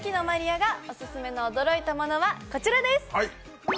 愛がオススメの驚いたものはこちらです！